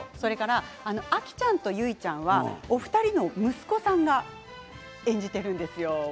アキちゃんとユイちゃんはお二人の息子さんが演じているんですよ。